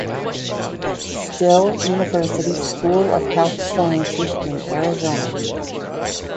Still University School of Health Sciences in Arizona.